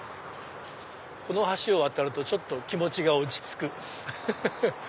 この橋を渡るとちょっと気持ちが落ち着く。